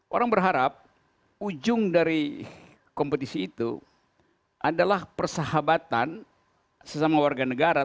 orang berharap ujung dari kompetisi itu adalah persahabatan sesama warga negara